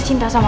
cinta atau gak